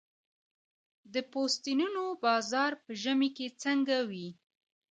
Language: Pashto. د پوستینونو بازار په ژمي کې څنګه وي؟